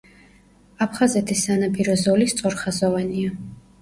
აფხაზეთის სანაპირო ზოლი სწორხაზოვანია.